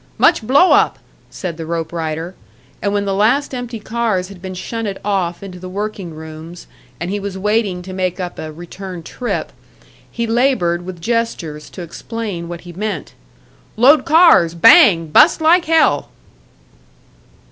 "Much blow up!" said the rope rider; and when the last empty cars had been shunted off into the working rooms, and he was waiting to make up a return "trip," he laboured with gestures to explain what he meant. "Load cars. Bang! Bust like hell!"